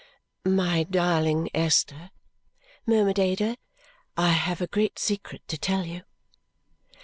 "My darling Esther!" murmured Ada. "I have a great secret to tell you!"